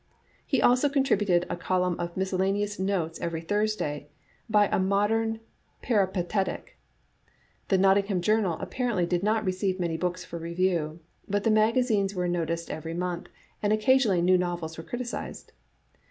He also contributed a col umn of miscellaneous notes every Thursday " by a Mod em Peripatetic." The Nottingham Journal apparently did not receive many books for review, but the maga zines were noticed every month, and occasionally new novels were criticised.